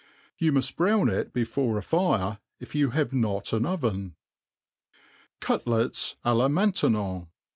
You muft brown it before a fire, if you have not an oven. Cutlets a la Maintenon.